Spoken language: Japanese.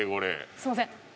すみません。